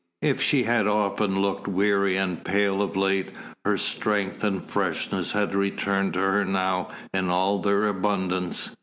If she had often looked weary and pale of late, her strength and freshness had returned to her now in all their abundance.